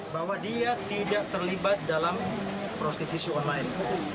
bahwa dia tidak terlibat dalam prostitusi online